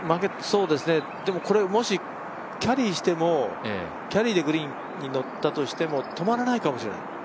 でもこれ、もしキャリーしても、キャリーでグリーンに乗ったとしても止まらないかもしれない。